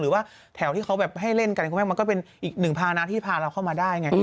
หรือว่าแถวที่เขาแบบให้เล่นกันคุณแม่มันก็เป็นอีกหนึ่งภานะที่พาเราเข้ามาได้ไง